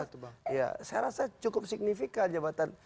saya rasa cukup signifikan jabatan